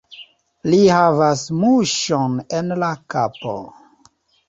Li havas muŝon en la kapo.